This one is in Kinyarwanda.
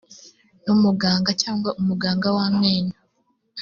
n umuganga cyangwa umuganga w amenyo